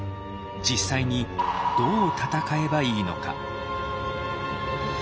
実際にどう戦えばいいのか。